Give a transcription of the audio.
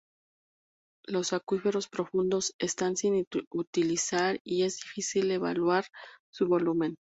Los acuíferos profundos están sin utilizar y es difícil evaluar su volumen.